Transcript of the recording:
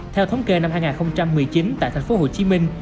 theo thống kê năm hai nghìn một mươi chín tại thành phố hồ chí minh